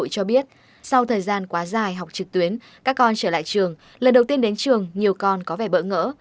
cho biết sau thời gian quá dài học trực tuyến các con trở lại trường lần đầu tiên đến trường nhiều con có vẻ bỡ ngỡ